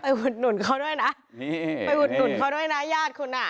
อุดหนุนเขาด้วยนะนี่ไปอุดหนุนเขาด้วยนะญาติคุณอ่ะ